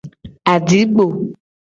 Adigbo.